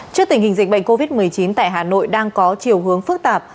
trước tình hình dịch bệnh covid một mươi chín tại hà nội đang có chiều hướng phức tạp